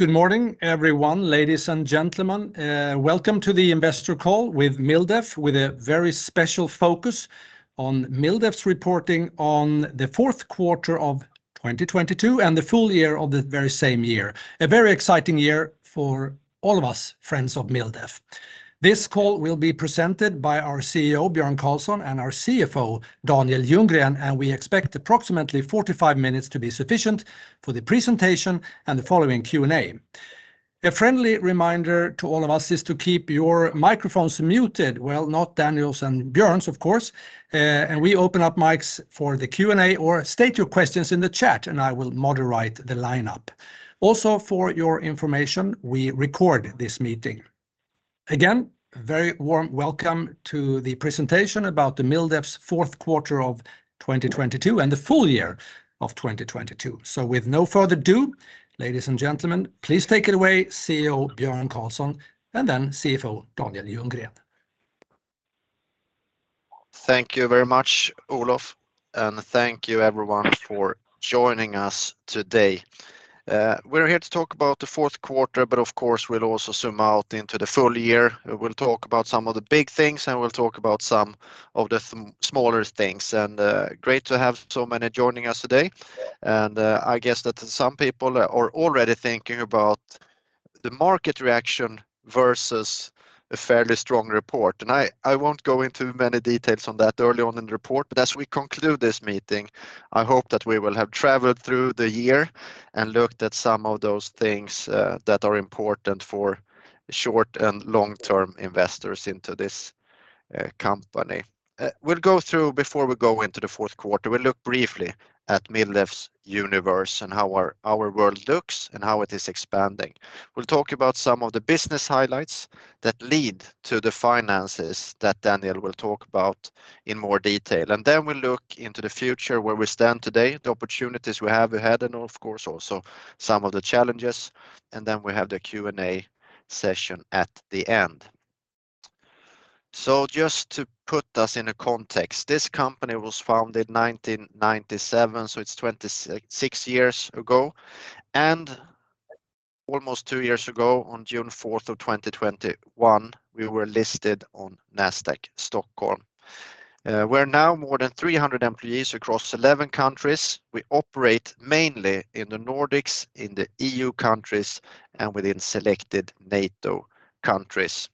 Good morning, everyone, ladies and gentlemen. Welcome to the investor call with MilDef, with a very special focus on MilDef's reporting on the fourth quarter of 2022 and the full year of the very same year. A very exciting year for all of us, friends of MilDef. This call will be presented by our CEO, Björn Karlsson, and our CFO, Daniel Ljunggren. We expect approximately 45 minutes to be sufficient for the presentation and the following Q&A. A friendly reminder to all of us is to keep your microphones muted. Well, not Daniel's and Björn's, of course. We open up mics for the Q&A or state your questions in the chat, and I will moderate the lineup. For your information, we record this meeting. Again, very warm welcome to the presentation about the MilDef's fourth quarter of 2022 and the full year of 2022. With no further ado, ladies and gentlemen, please take it away, CEO Björn Karlsson and then CFO Daniel Ljunggren. Thank you very much, Olof, and thank you everyone for joining us today. We're here to talk about the fourth quarter, but of course, we'll also zoom out into the full year. We'll talk about some of the big things, and we'll talk about some of the smaller things. Great to have so many joining us today. I guess that some people are already thinking about the market reaction versus a fairly strong report. I won't go into many details on that early on in the report, but as we conclude this meeting, I hope that we will have traveled through the year and looked at some of those things that are important for short- and long-term investors into this company. We'll go through Before we go into the fourth quarter, we'll look briefly at MilDef's universe and how our world looks and how it is expanding. We'll talk about some of the business highlights that lead to the finances that Daniel will talk about in more detail. Then we'll look into the future, where we stand today, the opportunities we have ahead, and of course, also some of the challenges. Then we have the Q&A session at the end. Just to put us in a context, this company was founded 1997, so it's 26 years ago. Almost two years ago, on June 4, 2021, we were listed on Nasdaq Stockholm. We're now more than 300 employees across 11 countries. We operate mainly in the Nordics, in the EU countries, and within selected NATO countries.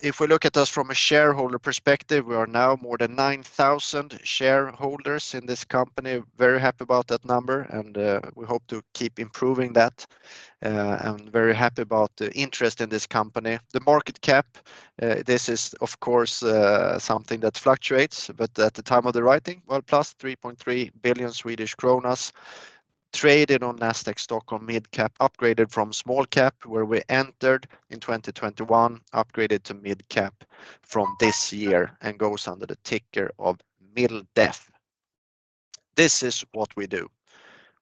If we look at us from a shareholder perspective, we are now more than 9,000 shareholders in this company. Very happy about that number, we hope to keep improving that, and very happy about the interest in this company. The market cap, this is of course, something that fluctuates, but at the time of the writing, well plus 3.3 billion Swedish kronor traded on Nasdaq Stockholm Mid Cap, upgraded from Small Cap, where we entered in 2021, upgraded to Mid Cap from this year and goes under the ticker of MilDef. This is what we do.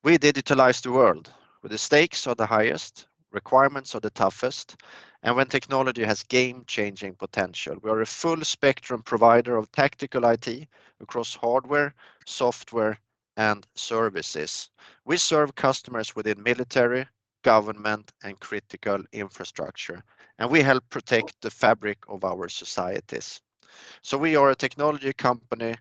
We digitalize the world where the stakes are the highest, requirements are the toughest, and when technology has game-changing potential. We are a full-spectrum provider of tactical IT across hardware, software, and services. We serve customers within military, government, and critical infrastructure. We help protect the fabric of our societies. We are a technology company,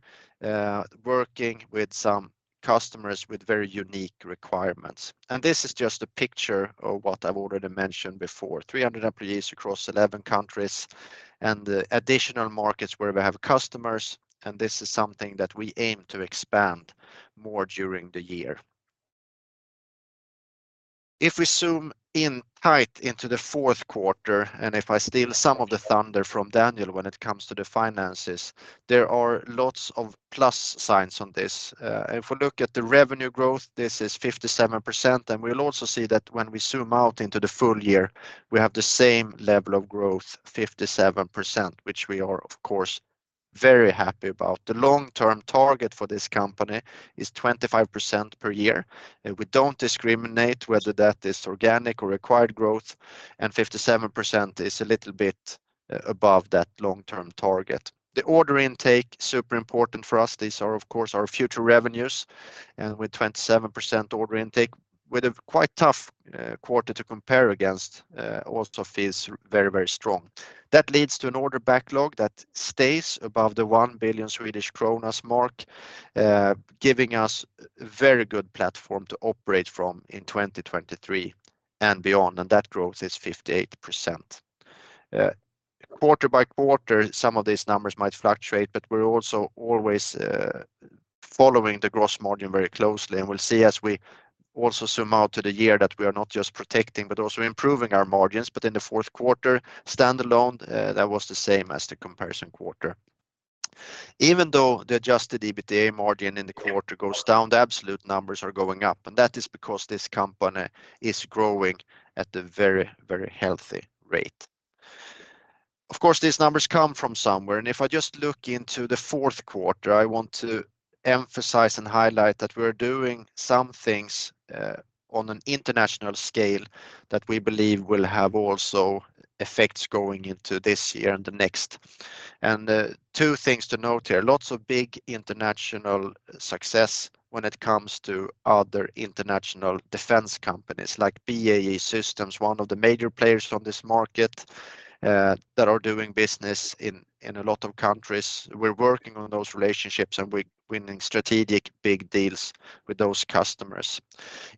working with some customers with very unique requirements. This is just a picture of what I've already mentioned before, 300 employees across 11 countries and additional markets where we have customers. This is something that we aim to expand more during the year. If we zoom in tight into the fourth quarter, if I steal some of the thunder from Daniel when it comes to the finances, there are lots of plus signs on this. If we look at the revenue growth, this is 57%, we'll also see that when we zoom out into the full year, we have the same level of growth, 57%, which we are of course very happy about. The long-term target for this company is 25% per year. We don't discriminate whether that is organic or acquired growth. 57% is a little bit above that long-term target. The order intake, super important for us. These are, of course, our future revenues. With 27% order intake with a quite tough quarter to compare against, also feels very, very strong. That leads to an order backlog that stays above the 1 billion Swedish kronor mark, giving us very good platform to operate from in 2023 and beyond. That growth is 58%. Quarter by quarter, some of these numbers might fluctuate. We're also always following the gross margin very closely. We'll see as we also zoom out to the year that we are not just protecting but also improving our margins. In the fourth quarter, standalone, that was the same as the comparison quarter. Even though the adjusted EBITDA margin in the quarter goes down, the absolute numbers are going up, and that is because this company is growing at a very, very healthy rate. Of course, these numbers come from somewhere, and if I just look into the fourth quarter, I want to emphasize and highlight that we're doing some things on an international scale that we believe will have also effects going into this year and the next. Two things to note here, lots of big international success when it comes to other international defense companies like BAE Systems, one of the major players on this market, that are doing business in a lot of countries. We're working on those relationships, and we're winning strategic big deals with those customers.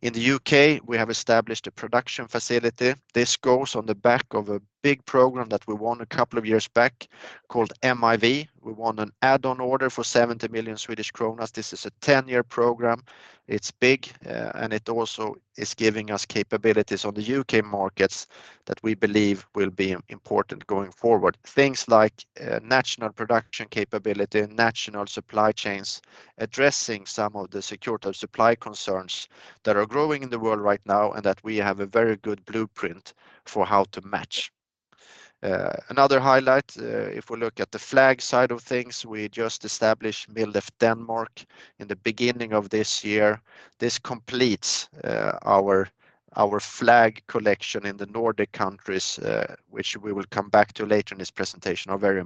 In the U.K., we have established a production facility. This goes on the back of a big program that we won a couple of years back called MIV. We won an add-on order for 70 million Swedish kronor. This is a 10-year program. It's big, and it also is giving us capabilities on the U.K. markets that we believe will be important going forward. Things like national production capability and national supply chains, addressing some of the security supply concerns that are growing in the world right now, and that we have a very good blueprint for how to match. Another highlight, if we look at the flag side of things, we just established MilDef Denmark in the beginning of this year. This completes our flag collection in the Nordic countries, which we will come back to later in this presentation, are very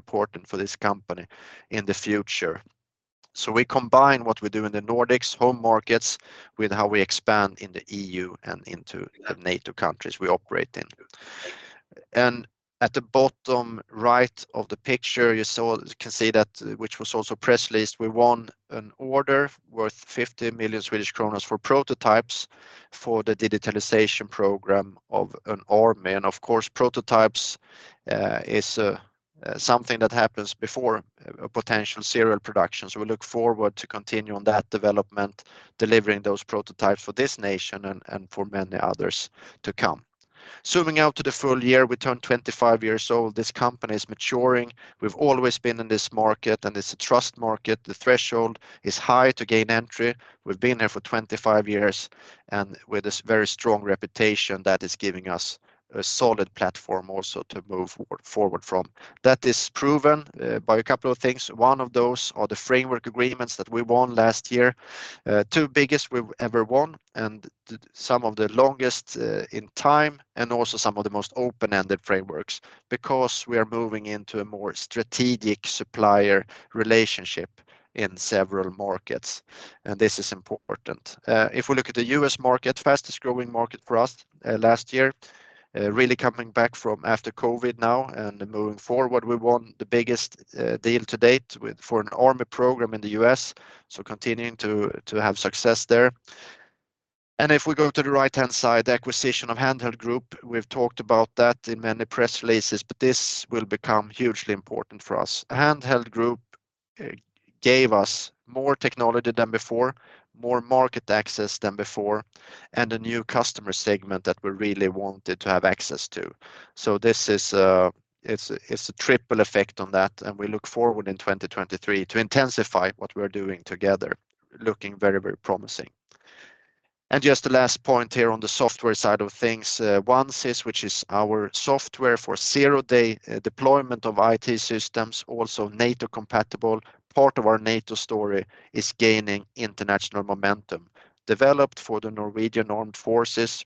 important for this company in the future. We combine what we do in the Nordics home markets with how we expand in the EU and into the NATO countries we operate in. At the bottom right of the picture you saw, you can see that which was also press release, we won an order worth 50 million for prototypes for the digitalization program of an army. Of course, prototypes is something that happens before a potential serial production. We look forward to continue on that development, delivering those prototypes for this nation and for many others to come. Zooming out to the full year, we turn 25 years old. This company is maturing. We've always been in this market, and it's a trust market. The threshold is high to gain entry. We've been here for 25 years, and with this very strong reputation that is giving us a solid platform also to move forward from. That is proven by a couple of things. One of those are the framework agreements that we won last year. Two biggest we've ever won and some of the longest in time, and also some of the most open-ended frameworks, because we are moving into a more strategic supplier relationship in several markets, and this is important. If we look at the U.S. market, fastest growing market for us last year, really coming back from after COVID now and moving forward, we won the biggest deal to date with, for an Army program in the U.S. Continuing to have success there. If we go to the right-hand side, the acquisition of Handheld Group, we've talked about that in many press releases, but this will become hugely important for us. Handheld Group gave us more technology than before, more market access than before, and a new customer segment that we really wanted to have access to. This is, it's a triple effect on that, and we look forward in 2023 to intensify what we're doing together, looking very, very promising. Just the last point here on the software side of things, OneCIS, which is our software for zero-day deployment of IT systems, also NATO-compatible, part of our NATO story is gaining international momentum. Developed for the Norwegian Armed Forces,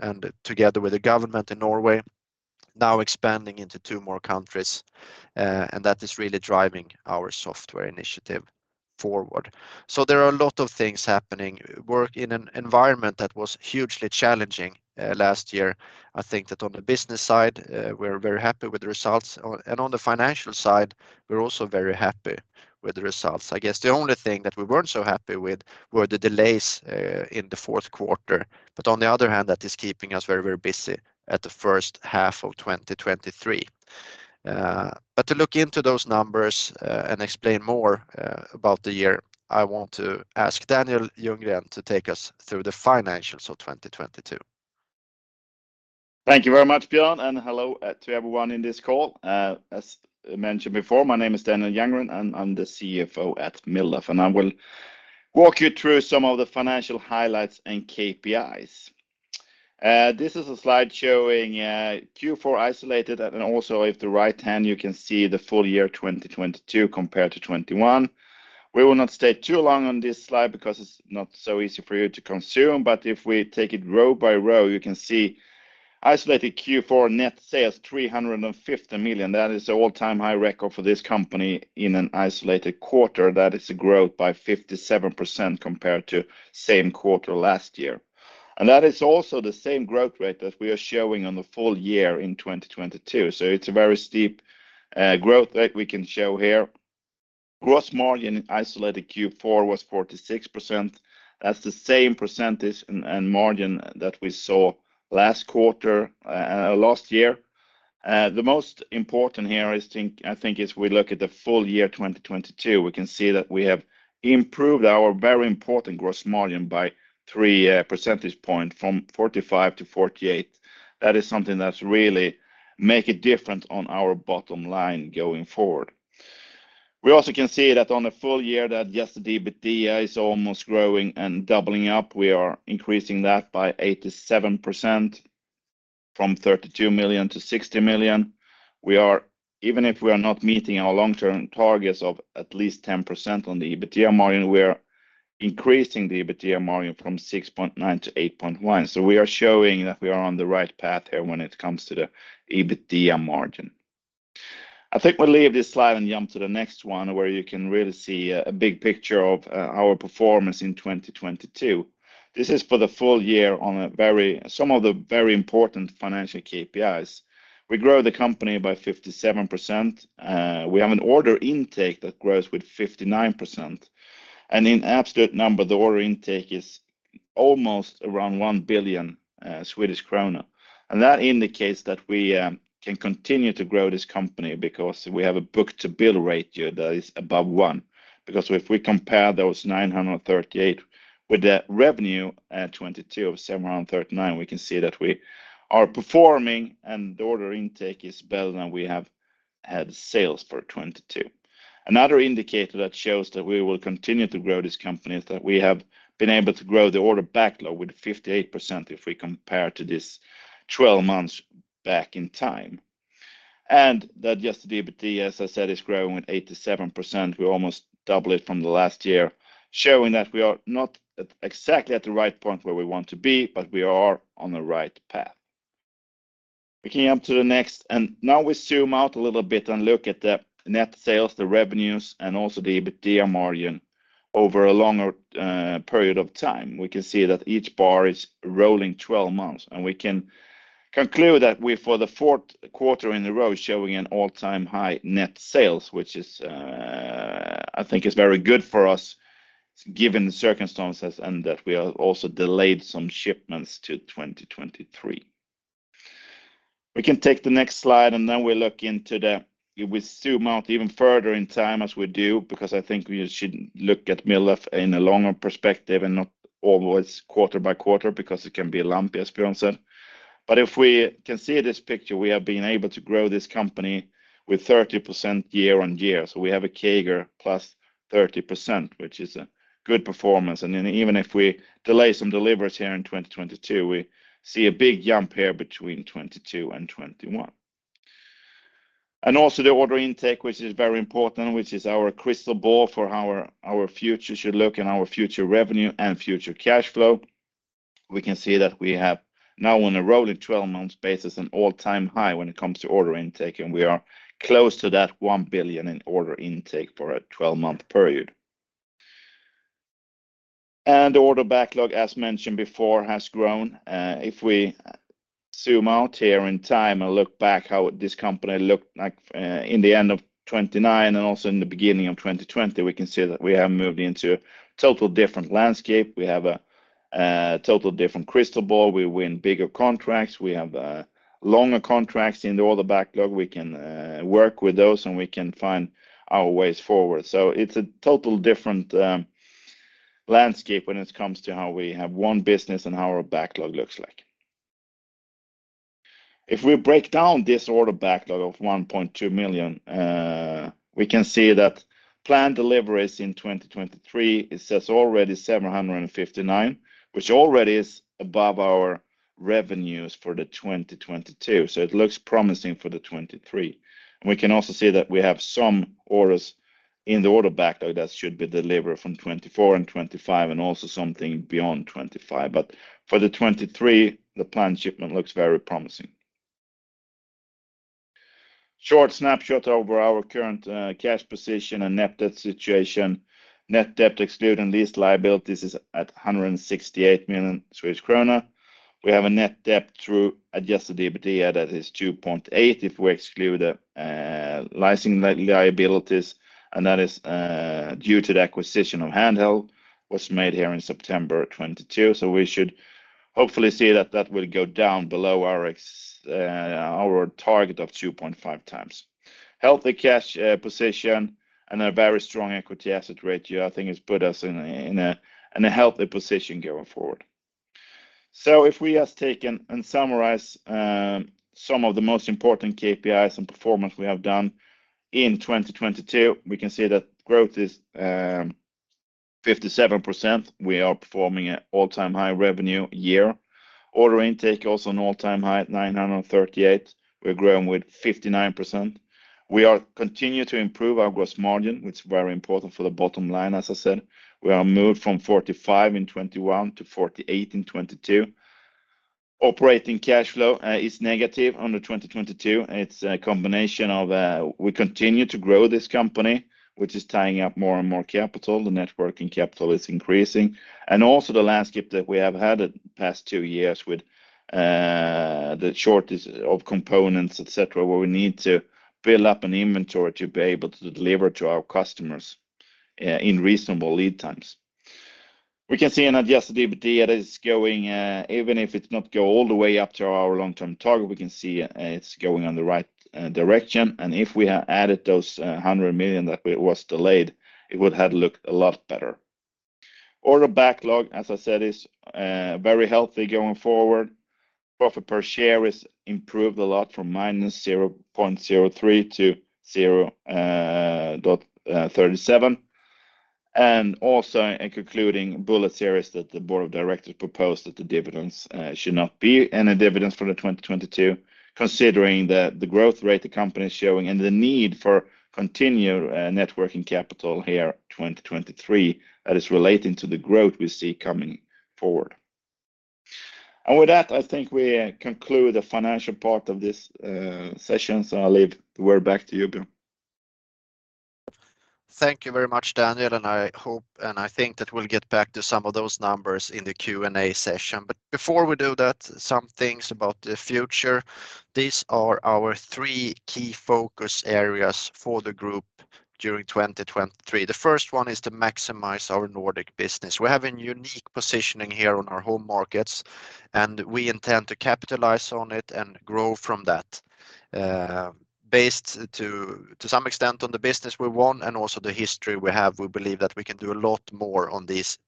and together with the government in Norway, now expanding into two more countries, and that is really driving our software initiative forward. There are a lot of things happening. Work in an environment that was hugely challenging last year. I think that on the business side, we're very happy with the results. On the financial side, we're also very happy with the results. I guess the only thing that we weren't so happy with were the delays, in the fourth quarter. On the other hand, that is keeping us very, very busy at the first half of 2023. To look into those numbers, and explain more, about the year, I want to ask Daniel Ljunggren to take us through the financials of 2022. Thank you very much, Björn, hello to everyone in this call. As mentioned before, my name is Daniel Ljunggren, I'm the CFO at MilDef. I will walk you through some of the financial highlights and KPIs. This is a slide showing Q4 isolated, also if the right hand, you can see the full year 2022 compared to 2021. We will not stay too long on this slide because it's not so easy for you to consume. If we take it row by row, you can see isolated Q4 net sales, 350 million. That is an all-time high record for this company in an isolated quarter. That is a growth by 57% compared to same quarter last year. That is also the same growth rate that we are showing on the full year in 2022. It's a very steep growth rate we can show here. Gross margin isolated Q4 was 46%. That's the same percentage and margin that we saw last quarter, last year. The most important here is I think as we look at the full year 2022, we can see that we have improved our very important gross margin by 3 percentage points from 45%-48%. That is something that's really make a difference on our bottom line going forward. We also can see that on the full year that yes, the EBITDA is almost growing and doubling up. We are increasing that by 87% from 32 million to 60 million. We are, even if we are not meeting our long-term targets of at least 10% on the EBITDA margin, we are increasing the EBITDA margin from 6.9% to 8.1%. We are showing that we are on the right path here when it comes to the EBITDA margin. I think we'll leave this slide and jump to the next one, where you can really see a big picture of our performance in 2022. This is for the full year on some of the very important financial KPIs. We grow the company by 57%. We have an order intake that grows with 59%. In absolute number, the order intake is almost around 1 billion Swedish krona. That indicates that we can continue to grow this company because we have a book-to-bill ratio that is above one. If we compare those 938 million with the revenue at 2022 of 739 million, we can see that we are performing and the order intake is better than we have had sales for 2022. Another indicator that shows that we will continue to grow this company is that we have been able to grow the order backlog with 58% if we compare to this 12 months back in time. The adjusted EBITDA, as I said, is growing with 87%. We almost double it from the last year, showing that we are not at, exactly at the right point where we want to be, but we are on the right path. We came up to the next, now we zoom out a little bit and look at the net sales, the revenues, and also the EBITDA margin over a longer period of time. We can see that each bar is rolling 12 months. We can conclude that we for the fourth quarter in a row showing an all-time high net sales, which is, I think is very good for us given the circumstances and that we are also delayed some shipments to 2023. We can take the next slide, then we look into we zoom out even further in time as we do, because I think we should look at MilDef in a longer perspective and not always quarter by quarter because it can be lumpy as Björn said. If we can see this picture, we have been able to grow this company with 30% year-on-year. We have a CAGR +30%, which is a good performance. Even if we delay some deliveries here in 2022, we see a big jump here between 2022 and 2021. Also the order intake, which is very important, which is our crystal ball for how our future should look and our future revenue and future cash flow. We can see that we have now on a rolling 12-month basis an all-time high when it comes to order intake, and we are close to that 1 billion in order intake for a 12-month period. Order backlog, as mentioned before, has grown. If we zoom out here in time and look back how this company looked like, in the end of 2029 and also in the beginning of 2020, we can see that we have moved into a total different landscape. We have a total different crystal ball. We win bigger contracts. We have longer contracts in the order backlog. We can work with those, and we can find our ways forward. It's a total different landscape when it comes to how we have won business and how our backlog looks like. If we break down this order backlog of 1.2 billion, we can see that planned deliveries in 2023, it says already 759 million, which already is above our revenues for the 2022. It looks promising for the 2023. We can also see that we have some orders in the order backlog that should be delivered from 2024 and 2025 and also something beyond 2025. For the 2023, the planned shipment looks very promising. Short snapshot over our current cash position and net debt situation. Net debt excluding lease liabilities is at 168 million Swedish krona. We have a net debt through adjusted EBITDA that is 2.8x if we exclude the licensing liabilities, and that is due to the acquisition of Handheld was made here in September 2022. We should hopefully see that that will go down below our target of 2.5x. Healthy cash position and a very strong equity asset ratio I think has put us in a healthy position going forward. If we just take and summarize some of the most important KPIs and performance we have done in 2022, we can see that growth is 57%. We are performing at all-time high revenue year. Order intake also an all-time high at 938 million. We're growing with 59%. We are continue to improve our gross margin, which is very important for the bottom line, as I said. We are moved from 45% in 2021 to 48% in 2022. Operating cash flow is negative on the 2022. It's a combination of, we continue to grow this company, which is tying up more and more capital. The net working capital is increasing. The landscape that we have had the past 2 years with the shortage of components, et cetera, where we need to build up an inventory to be able to deliver to our customers in reasonable lead times. We can see an adjusted EBITDA is going, even if it's not go all the way up to our long-term target, we can see it's going on the right direction. If we had added those 100 million that it was delayed, it would have looked a lot better. Order backlog, as I said, is very healthy going forward. Profit per share is improved a lot from -0.03 to 0.37. Also in concluding bullet series that the board of directors proposed that the dividends should be any dividends for the 2022 considering that the growth rate the company is showing and the need for continued net working capital here 2023 that is relating to the growth we see coming forward. With that, I think we conclude the financial part of this session. I'll leave the word back to you, Björn. Thank you very much, Daniel. I hope and I think that we'll get back to some of those numbers in the Q&A session. Before we do that, some things about the future. These are our three key focus areas for the MilDef Group during 2023. The first one is to maximize our Nordic business. We have a unique positioning here on our home markets, and we intend to capitalize on it and grow from that. Based to some extent on the business we want and also the history we have, we believe that we can do a lot more on these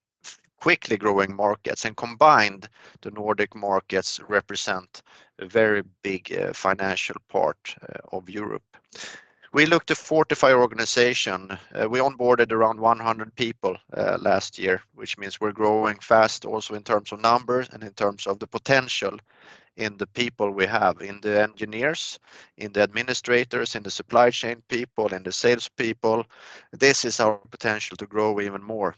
quickly growing markets. Combined, the Nordic markets represent a very big financial part of Europe. We look to fortify our organization. We onboarded around 100 people last year, which means we're growing fast also in terms of numbers and in terms of the potential in the people we have, in the engineers, in the administrators, in the supply chain people, in the sales people. This is our potential to grow even more,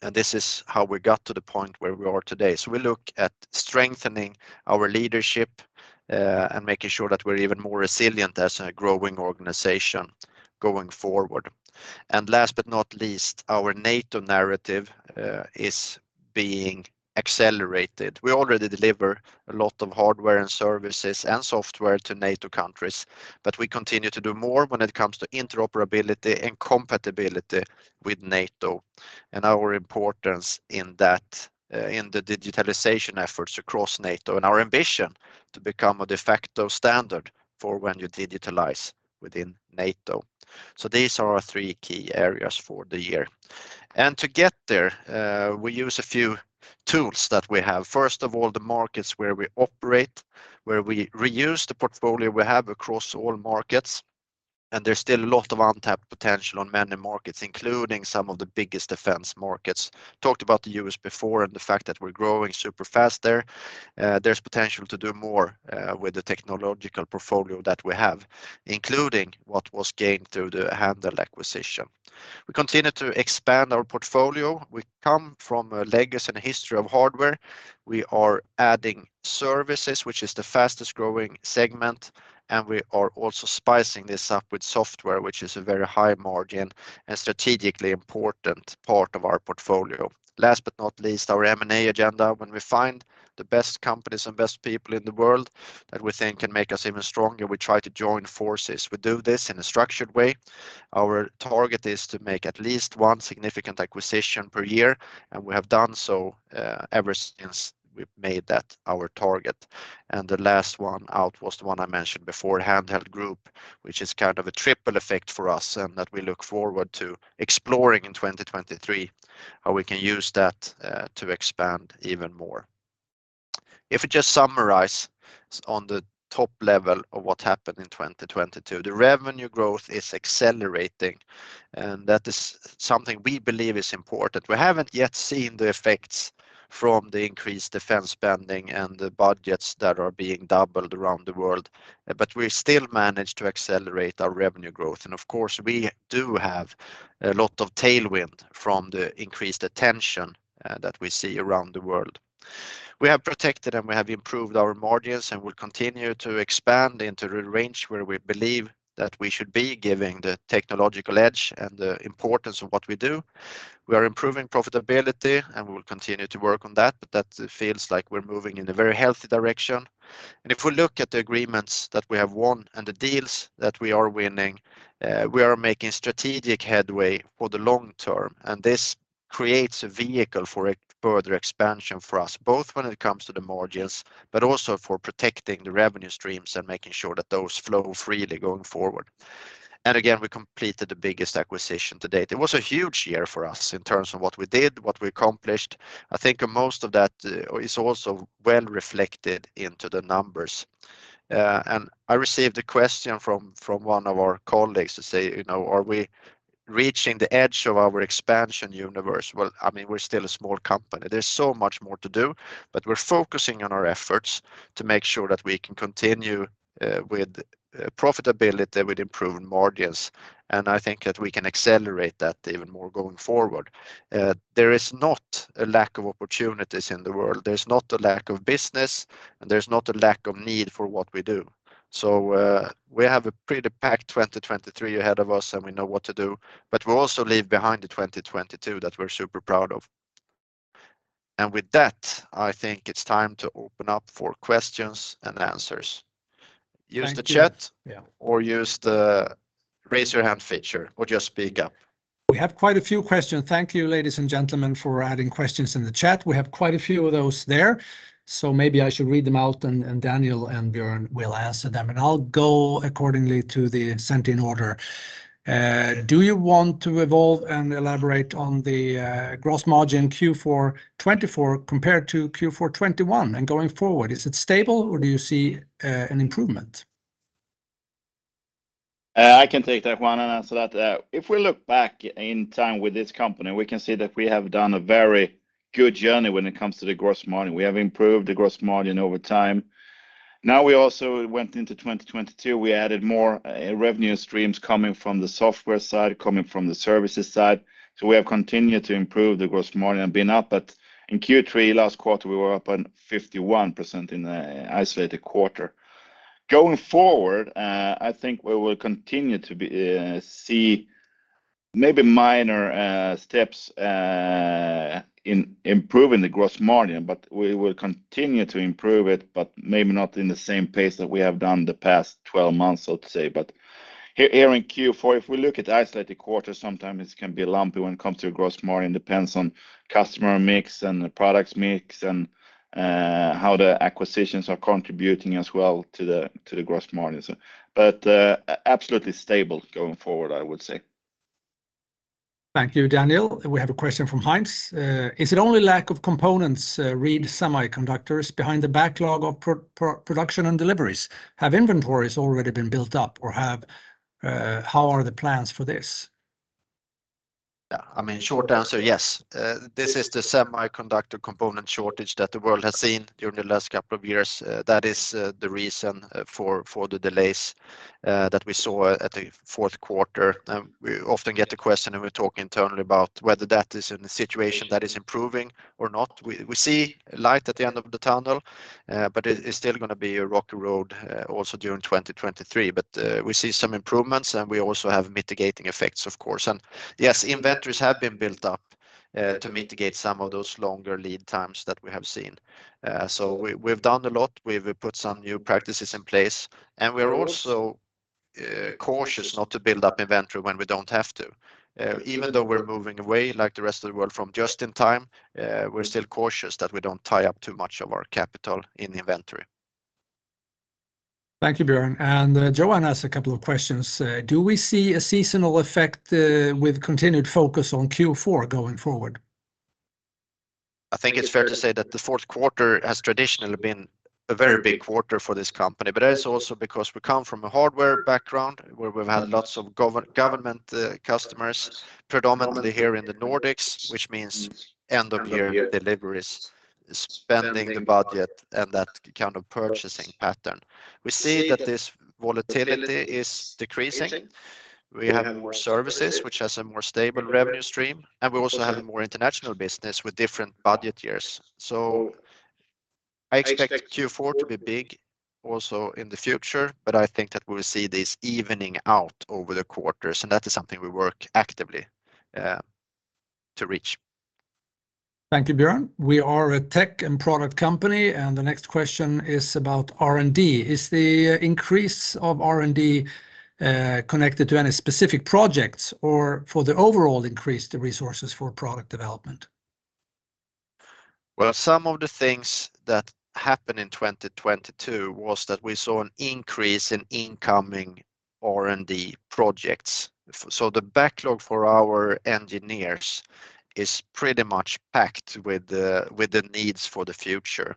and this is how we got to the point where we are today. We look at strengthening our leadership and making sure that we're even more resilient as a growing organization going forward. Last but not least, our NATO narrative is being accelerated. We already deliver a lot of hardware and services and software to NATO countries. We continue to do more when it comes to interoperability and compatibility with NATO and our importance in that, in the digitalization efforts across NATO and our ambition to become a de facto standard for when you digitalize within NATO. These are our three key areas for the year. To get there, we use a few tools that we have. First of all, the markets where we operate, where we reuse the portfolio we have across all markets. There's still a lot of untapped potential on many markets, including some of the biggest defense markets. Talked about the U.S. before and the fact that we're growing super fast there. There's potential to do more with the technological portfolio that we have, including what was gained through the Handheld acquisition. We continue to expand our portfolio. We come from a legacy and history of hardware. We are adding services, which is the fastest-growing segment, and we are also spicing this up with software, which is a very high margin and strategically important part of our portfolio. Last but not least, our M&A agenda. When we find the best companies and best people in the world that we think can make us even stronger, we try to join forces. We do this in a structured way. Our target is to make at least one significant acquisition per year, and we have done so ever since we made that our target. The last one out was the one I mentioned before, Handheld Group, which is kind of a triple effect for us and that we look forward to exploring in 2023 how we can use that to expand even more. If we just summarize on the top level of what happened in 2022, the revenue growth is accelerating, and that is something we believe is important. We haven't yet seen the effects from the increased defense spending and the budgets that are being doubled around the world, but we still manage to accelerate our revenue growth. Of course, we do have a lot of tailwind from the increased attention that we see around the world. We have protected and we have improved our margins, and we'll continue to expand into the range where we believe that we should be giving the technological edge and the importance of what we do. We are improving profitability, and we will continue to work on that, but that feels like we're moving in a very healthy direction. If we look at the agreements that we have won and the deals that we are winning, we are making strategic headway for the long term, and this creates a vehicle for a further expansion for us, both when it comes to the margins, but also for protecting the revenue streams and making sure that those flow freely going forward. Again, we completed the biggest acquisition to date. It was a huge year for us in terms of what we did, what we accomplished. I think most of that is also well reflected into the numbers. I received a question from one of our colleagues to say, you know, "Are we reaching the edge of our expansion universe?" Well, I mean, we're still a small company. There's so much more to do, but we're focusing on our efforts to make sure that we can continue with profitability, with improved margins, and I think that we can accelerate that even more going forward. There is not a lack of opportunities in the world. There's not a lack of business, and there's not a lack of need for what we do. We have a pretty packed 2023 ahead of us, and we know what to do, but we also leave behind the 2022 that we're super proud of. With that, I think it's time to open up for questions and answers. Thank you. Use the chat-. Yeah or use the Raise Your Hand feature or just speak up. We have quite a few questions. Thank you, ladies and gentlemen, for adding questions in the chat. We have quite a few of those there, so maybe I should read them out and Daniel and Björn Karlsson will answer them. I'll go accordingly to the sent-in order. Do you want to evolve and elaborate on the gross margin Q4 2024 compared to Q4 2021 and going forward? Is it stable, or do you see an improvement? I can take that one and answer that. If we look back in time with this company, we can see that we have done a very good journey when it comes to the gross margin. We have improved the gross margin over time. Now, we also went into 2022, we added more revenue streams coming from the software side, coming from the services side. We have continued to improve the gross margin and been up. In Q3 last quarter, we were up on 51% in a isolated quarter. Going forward, I think we will continue to see maybe minor steps in improving the gross margin, but we will continue to improve it, but maybe not in the same pace that we have done the past 12 months, so to say. Here in Q4, if we look at the isolated quarter, sometimes it can be lumpy when it comes to gross margin. Depends on customer mix and the products mix and how the acquisitions are contributing as well to the gross margin. Absolutely stable going forward, I would say. Thank you, Daniel. We have a question from Heinz. Is it only lack of components, read semiconductors behind the backlog of production and deliveries? Have inventories already been built up or how are the plans for this? I mean, short answer, yes. This is the semiconductor component shortage that the world has seen during the last couple of years. That is the reason for the delays that we saw at the fourth quarter. We often get the question and we talk internally about whether that is in a situation that is improving or not. We see light at the end of the tunnel, but it's still gonna be a rocky road also during 2023. We see some improvements, and we also have mitigating effects, of course. Yes, inventories have been built up to mitigate some of those longer lead times that we have seen. We've done a lot. We've put some new practices in place, and we're also cautious not to build up inventory when we don't have to. Even though we're moving away like the rest of the world from just-in-time, we're still cautious that we don't tie up too much of our capital in inventory. Thank you, Björn. Joanne asked a couple of questions. Do we see a seasonal effect with continued focus on Q4 going forward? I think it's fair to say that the fourth quarter has traditionally been a very big quarter for this company. That is also because we come from a hardware background where we've had lots of government customers, predominantly here in the Nordics, which means end of year deliveries, spending the budget and that kind of purchasing pattern. We see that this volatility is decreasing. We have more services which has a more stable revenue stream, and we also have a more international business with different budget years. I expect Q4 to be big also in the future, but I think that we'll see this evening out over the quarters, and that is something we work actively to reach. Thank you, Björn. We are a tech and product company, and the next question is about R&D. Is the increase of R&D connected to any specific projects or for the overall increase the resources for product development? Some of the things that happened in 2022 was that we saw an increase in incoming R&D projects. The backlog for our engineers is pretty much packed with the needs for the future.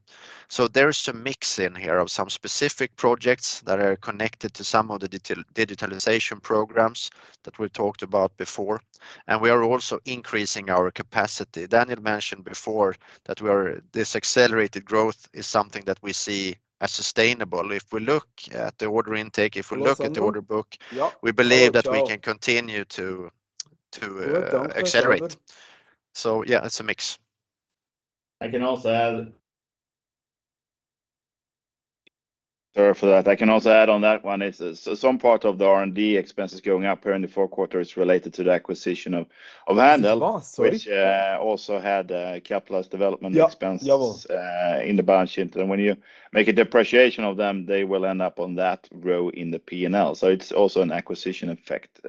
There's some mix in here of some specific projects that are connected to some of the digitalization programs that we talked about before, and we are also increasing our capacity. Daniel mentioned before that this accelerated growth is something that we see as sustainable. If we look at the order intake, if we look at the order book, we believe that we can continue to accelerate. Yeah, it's a mix. Sorry for that. I can also add on that one is some part of the R&D expenses going up here in the fourth quarter is related to the acquisition of. That's us. Sorry... which also had capitalized development expenses in the balance sheet. When you make a depreciation of them, they will end up on that row in the P&L. It's also an acquisition effect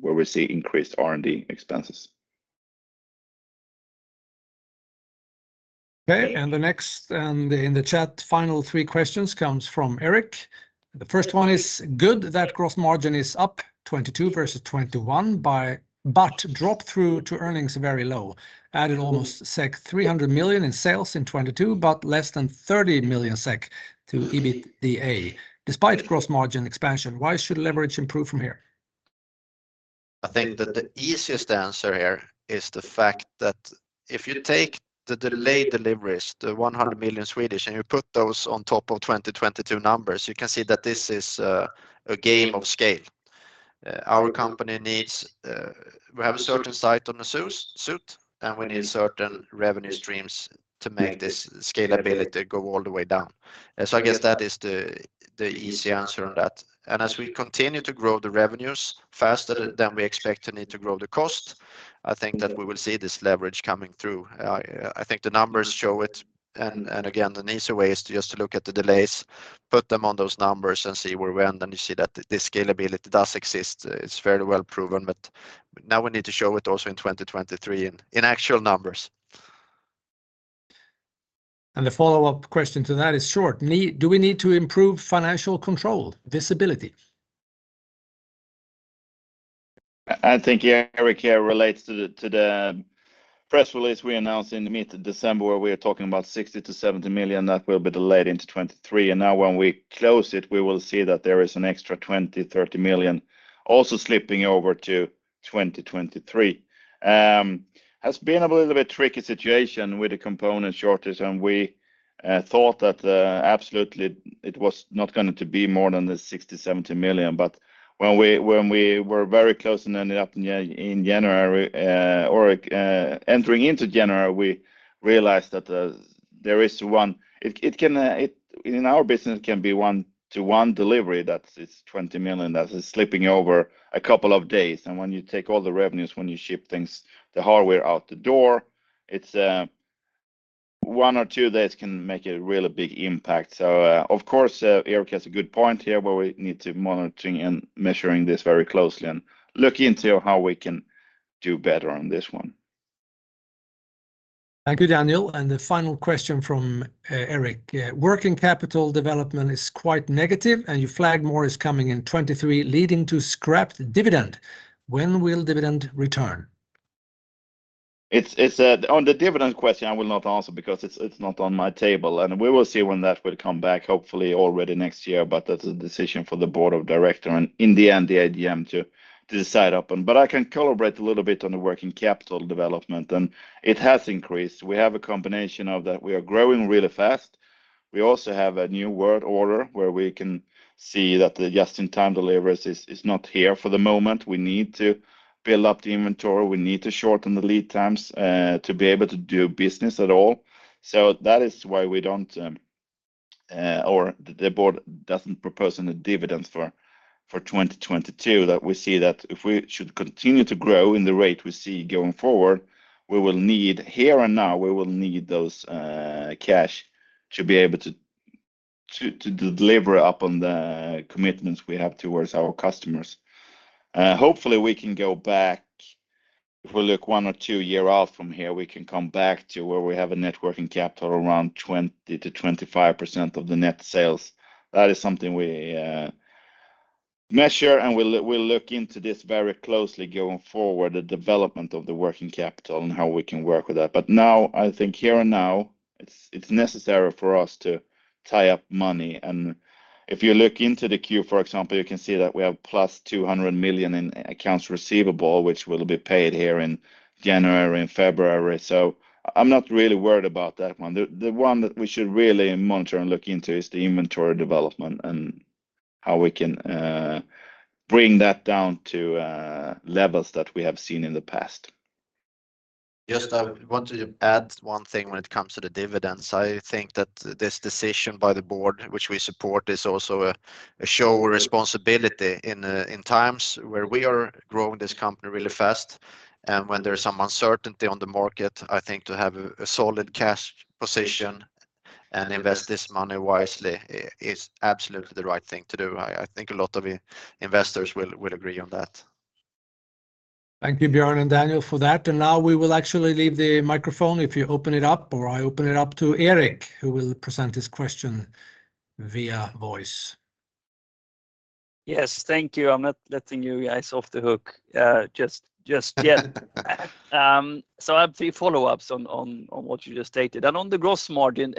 where we see increased R&D expenses. Okay. The next and in the chat, final three questions comes from Eric. The first one is good that gross margin is up 2022 versus 2021 by. Drop through to earnings very low. Added almost 300 million in sales in 2022. Less than 30 million SEK to EBITDA despite gross margin expansion. Why should leverage improve from here? I think that the easiest answer here is the fact that if you take the delayed deliveries, the 100 million, and you put those on top of 2022 numbers, you can see that this is a game of scale. Our company needs, we have a certain sight on the suit, and we need certain revenue streams to make this scalability go all the way down. I guess that is the easy answer on that. As we continue to grow the revenues faster than we expect to need to grow the cost, I think that we will see this leverage coming through. I think the numbers show it. Again, an easier way is to just look at the delays, put them on those numbers and see where we end, and you see that the scalability does exist. It's fairly well proven, but now we need to show it also in 2023 in actual numbers. The follow-up question to that is short. Do we need to improve financial control visibility? I think, yeah, Eric here relates to the press release we announced in mid-December where we are talking about 60 million-70 million that will be delayed into 2023. Now when we close it, we will see that there is an extra 20 million-30 million also slipping over to 2023. Has been a little bit tricky situation with the component shortage, and we thought that absolutely it was not going to be more than the 60 million-70 million. When we, when we were very close and ended up in January, or entering into January, we realized that It can, it, in our business, can be one-to-one delivery that it's 20 million that is slipping over a couple of days. When you take all the revenues, when you ship things, the hardware out the door, it's, one or two days can make a really big impact. Of course, Eric has a good point here where we need to monitoring and measuring this very closely and look into how we can do better on this one. Thank you, Daniel. The final question from Eric. Working capital development is quite negative, and you flag more is coming in 2023, leading to scrapped dividend. When will dividend return? It's on the dividend question, I will not answer because it's not on my table. We will see when that will come back, hopefully already next year. That's a decision for the board of director and in the end, the AGM to decide upon. I can collaborate a little bit on the working capital development. It has increased. We have a combination of that. We are growing really fast. We also have a new world order where we can see that the just-in-time deliveries is not here for the moment. We need to build up the inventory. We need to shorten the lead times to be able to do business at all. That is why we don't, or the board doesn't propose any dividends for 2022, that we see that if we should continue to grow in the rate we see going forward, we will need here and now, we will need those cash to be able to deliver up on the commitments we have towards our customers. Hopefully, we can go back. If we look one or two year out from here, we can come back to where we have a net working capital around 20%-25% of the net sales. That is something we measure, and we'll look into this very closely going forward, the development of the net working capital and how we can work with that. Now, I think here and now, it's necessary for us to tie up money. If you look into the Q, for example, you can see that we have +200 million in accounts receivable, which will be paid here in January and February. I'm not really worried about that one. The one that we should really monitor and look into is the inventory development and how we can bring that down to levels that we have seen in the past. Just I want to add one thing when it comes to the dividends. I think that this decision by the board, which we support, is also a show of responsibility in times where we are growing this company really fast and when there's some uncertainty on the market. I think to have a solid cash position and invest this money wisely is absolutely the right thing to do. I think a lot of investors will agree on that. Thank you, Björn and Daniel, for that. Now we will actually leave the microphone if you open it up or I open it up to Eric, who will present his question via voice. Yes. Thank you. I'm not letting you guys off the hook, just yet. I have three follow-ups on what you just stated. On the gross margin,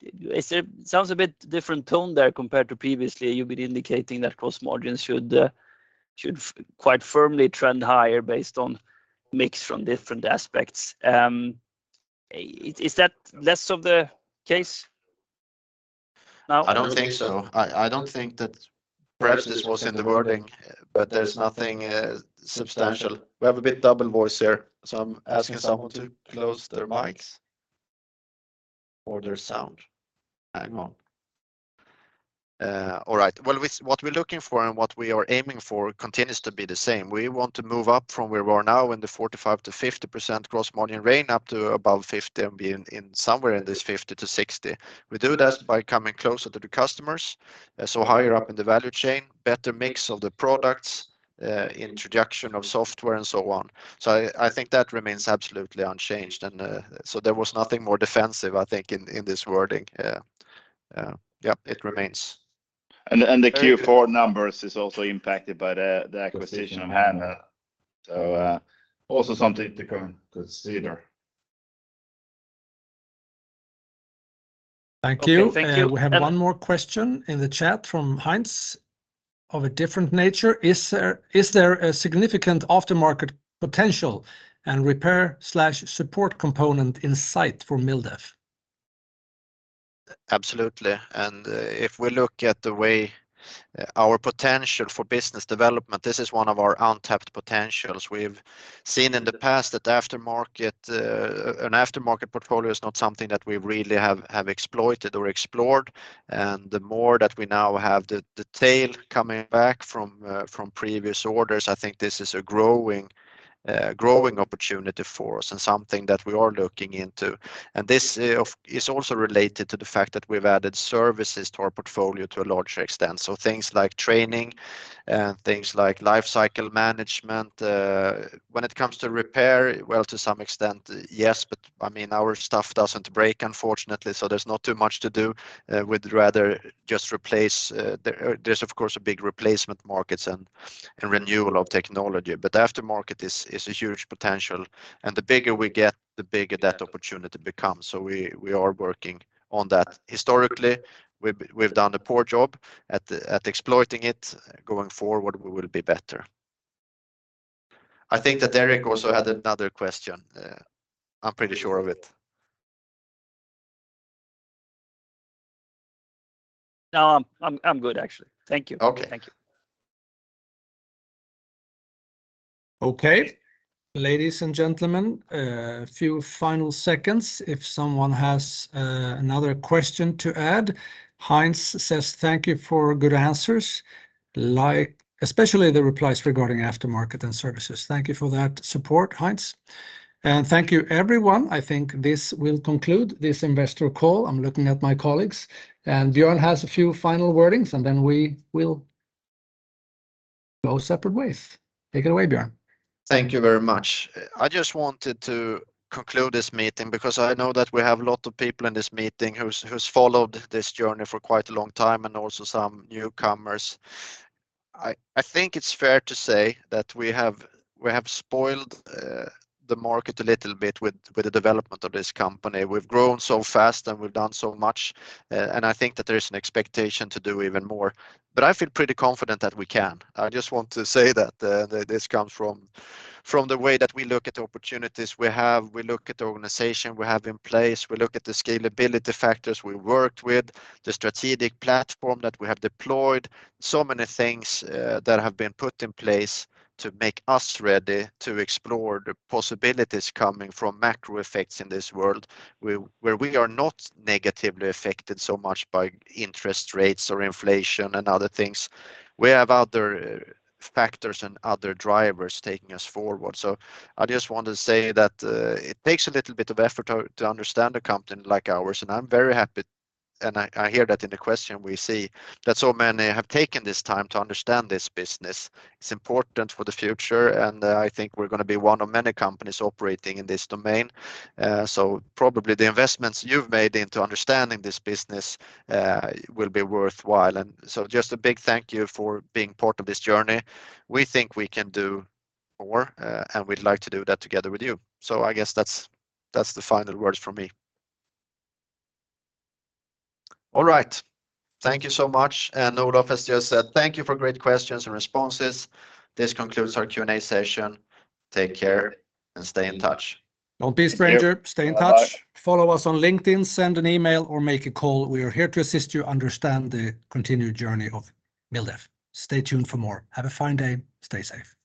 it sounds a bit different tone there compared to previously. You've been indicating that gross margin should quite firmly trend higher based on mix from different aspects. Is that less of the case now? I don't think so. I don't think that perhaps this was in the wording. There's nothing substantial. We have a bit double voice here. I'm asking someone to close their mics or their sound. Hang on. Well, what we're looking for and what we are aiming for continues to be the same. We want to move up from where we are now in the 45%-50% gross margin range up to above 50% and be in somewhere in this 50%-60%. We do that by coming closer to the customers. Higher up in the value chain, better mix of the products, introduction of software, and so on. I think that remains absolutely unchanged. There was nothing more defensive, I think, in this wording. Yep, it remains. The Q4 numbers is also impacted by the acquisition of Handheld. Also something to consider. Thank you. Okay. Thank you. We have one more question in the chat from Heinz of a different nature. Is there a significant aftermarket potential and repair/support component in sight for MilDef? Absolutely. If we look at the way our potential for business development, this is one of our untapped potentials. We've seen in the past that aftermarket, an aftermarket portfolio is not something that we really have exploited or explored. The more that we now have the tail coming back from previous orders, I think this is a growing opportunity for us and something that we are looking into. This is also related to the fact that we've added services to our portfolio to a larger extent. So things like training and things like lifecycle management. When it comes to repair, well, to some extent, yes, but, I mean, our stuff doesn't break, unfortunately, so there's not too much to do. We'd rather just replace. There's of course a big replacement markets and renewal of technology. Aftermarket is a huge potential, and the bigger we get, the bigger that opportunity becomes. We are working on that. Historically, we've done a poor job at exploiting it. Going forward, we will be better. I think that Eric also had another question. I'm pretty sure of it. No, I'm good, actually. Thank you. Okay. Thank you. Okay. Ladies and gentlemen, a few final seconds if someone has another question to add. Heinz says thank you for good answers, like, especially the replies regarding aftermarket and services. Thank you for that support, Heinz. Thank you, everyone. I think this will conclude this investor call. I'm looking at my colleagues, and Björn has a few final wordings, and then we will go separate ways. Take it away, Björn. Thank you very much. I just wanted to conclude this meeting because I know that we have a lot of people in this meeting who's followed this journey for quite a long time and also some newcomers. I think it's fair to say that we have spoiled the market a little bit with the development of this company. We've grown so fast, and we've done so much, I think that there is an expectation to do even more. I feel pretty confident that we can. I just want to say that this comes from the way that we look at the opportunities we have. We look at the organization we have in place. We look at the scalability factors we worked with, the strategic platform that we have deployed. Many things that have been put in place to make us ready to explore the possibilities coming from macro effects in this world where we are not negatively affected so much by interest rates or inflation and other things. We have other factors and other drivers taking us forward. I just want to say that it takes a little bit of effort to understand a company like ours, and I'm very happy, and I hear that in the question we see that so many have taken this time to understand this business. It's important for the future, and I think we're gonna be one of many companies operating in this domain. Probably the investments you've made into understanding this business will be worthwhile. Just a big thank you for being part of this journey. We think we can do more, and we'd like to do that together with you. I guess that's the final words from me. All right. Thank you so much. Olof has just said thank you for great questions and responses. This concludes our Q&A session. Take care and stay in touch. Don't be a stranger. Stay in touch. Bye-bye. Follow us on LinkedIn, send an email or make a call. We are here to assist you understand the continued journey of MilDef. Stay tuned for more. Have a fine day. Stay safe.